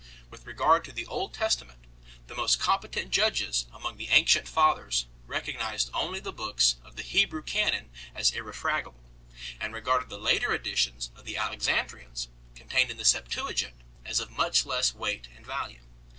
With regard to the Old Testament, the most compe tent judges among the ancient Fathers recognized only the books of the Hebrew canon as irrefragable, and regarded the later additions of the Alexandrians, contained in the Septuagint, as of much less weight and value.